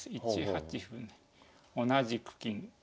１八歩に同じく金。